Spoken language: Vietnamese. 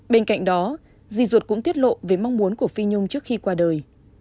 bên cạnh đó di ruột cũng tiết lộ về mong muốn của phi nhung trước khi qua đời